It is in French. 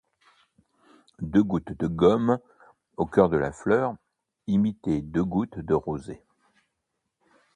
Deux gouttes de gomme, au coeur de la fleur, imitaient deux gouttes de rosée.